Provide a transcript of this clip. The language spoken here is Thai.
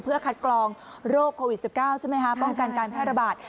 เพื่อคัดกรองโรคโควิด๑๙ใช่ไหมคะป้องกันการแพร่ระบาด